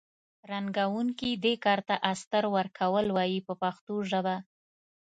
رنګوونکي دې کار ته استر ورکول وایي په پښتو ژبه.